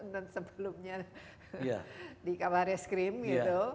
dan sebelumnya di kamar eskrim gitu